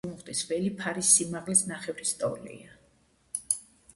ცენტრალური ზურმუხტის ველი ფარის სიმაღლის ნახევრის ტოლია.